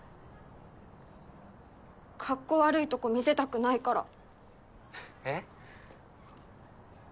かっこ悪いとこ見せたくないからえっ？